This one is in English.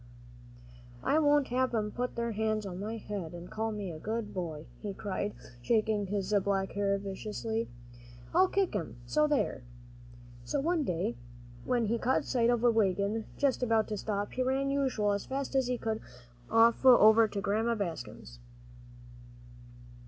"I won't have 'em put their hands on my head and call me good boy," he cried, shaking his black hair viciously. "I'll kick 'em so there!" So one day, when he caught sight of a wagon just about to stop, he ran, as usual, as fast as he could, off over to Grandma Bascom's.